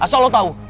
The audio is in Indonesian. asal lu tau